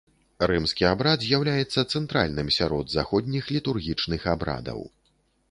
Рымскі абрад з'яўляецца цэнтральным сярод заходніх літургічных абрадаў.